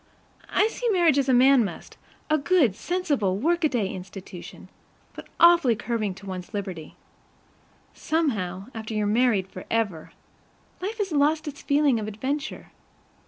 I see marriage as a man must, a good, sensible workaday institution; but awfully curbing to one's liberty. Somehow, after you're married forever, life has lost its feeling of adventure.